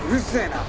な